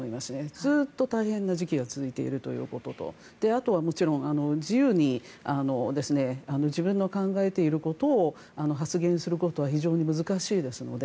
ずっと大変な時期が続いているということとあとはもちろん自由に自分の考えていることを発言することは非常に難しいですので